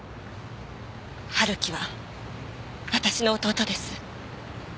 春樹は私の弟です。